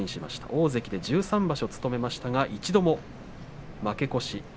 大関で１３場所務めましたが一度も負け越し